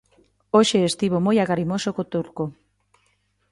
Hoxe estivo moi agarimoso co turco.